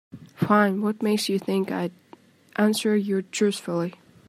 Fine, what makes you think I'd answer you truthfully?